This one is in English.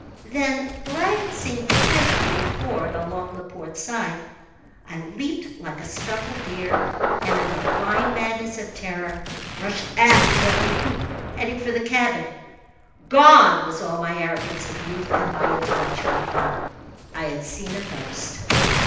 Then, glancing casually for'ard, along the port side, I leaped like a startled deer and in a blind madness of terror rushed aft along the poop, heading for the cabin. Gone was all my arrogance of youth and my intellectual calm. I had seen a ghost.